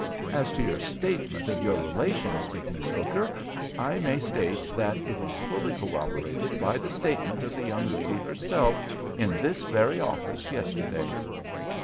As to your statement of your relations with Miss Hooker, I may state that it is fully corroborated by the statement of the young lady herself in this very office yesterday."